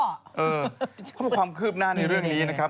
เขาบอกความคืบหน้าในเรื่องนี้นะครับ